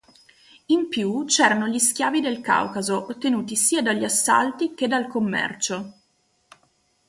In più c'erano gli schiavi dal Caucaso, ottenuti sia dagli assalti che dal commercio.